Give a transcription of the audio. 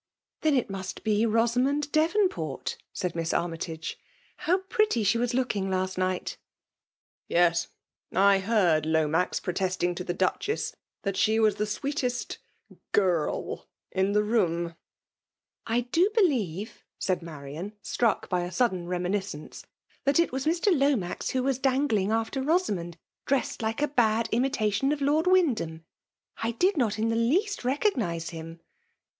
..'<< Then it must be Bosamond Devonport !" said Miss Armytage. " How pretty she was Iciakivg last night ! *f Yes! — I heard Lomax protesting to the* Duchess that she was the sweetest gurl in the foom 'V i /'I da believe/* said Marian, struck by a $i:(ddea reminiscence, '' that it was Mr. Lomax vnibci :was dangling after Bosamond, dressed like a bad imitation of Lord Wyndham !* X did ,not in the least recognize him."